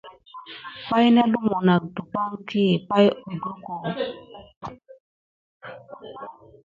Pay nà lumu nak dupay ɗi pay oɗoko.